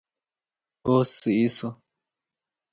اوس سيي شو!